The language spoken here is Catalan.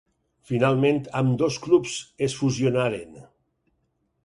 Finalment, ambdós clubs es fusionaren.